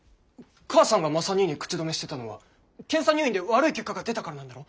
母さんがマサ兄に口止めしてたのは検査入院で悪い結果が出たからなんだろ？